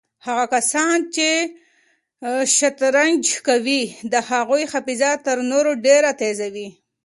هغه کسان چې شطرنج کوي د هغوی حافظه تر نورو ډېره تېزه وي.